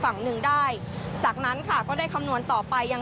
สองนึงได้จากนั้นขายก็ได้คำนวณต่อไป